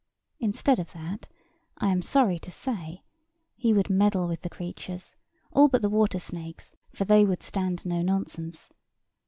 Instead of that, I am sorry to say, he would meddle with the creatures, all but the water snakes, for they would stand no nonsense.